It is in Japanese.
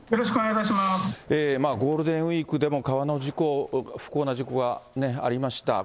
ゴールデンウィークでも川の事故、不幸な事故がありました。